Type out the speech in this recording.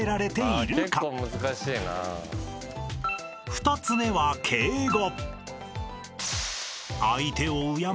［２つ目は敬語］